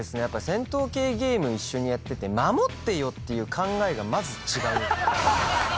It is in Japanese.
やっぱ戦闘系ゲーム一緒にやってて「守ってよ」っていう考えがまず違う。